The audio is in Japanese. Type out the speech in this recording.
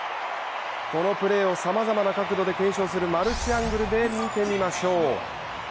このプレーをさまざまな角度で検証するマルチアングルで見てみましょう。